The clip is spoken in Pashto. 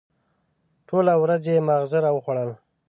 ټوله ورځ یې ماغزه را وخوړل.